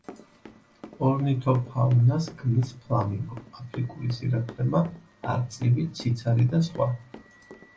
ორნითოფაუნას ქმნის ფლამინგო, აფრიკული სირაქლემა, არწივი, ციცარი და სხვა.